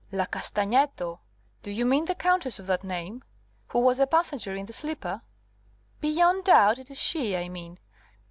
"La Castagneto! Do you mean the Countess of that name, who was a passenger in the sleeper?" "Beyond doubt! it is she I mean."